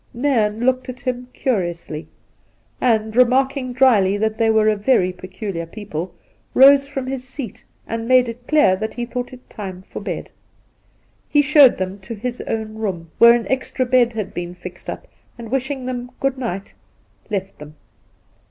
Nairn looked at him curiously, and remarking dryly that they were a very peculiar people, rose from his seat, and made it clear that he thought it time for bed. He showed them to his own room, where an extra bed had been fixed up, and wishing them ' Good night,' left them.